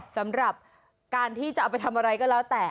สำหรับการที่จะเอาไปทำอะไรก็แล้วแต่